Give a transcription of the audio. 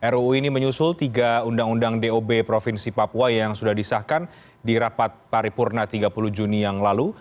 ruu ini menyusul tiga undang undang dob provinsi papua yang sudah disahkan di rapat paripurna tiga puluh juni yang lalu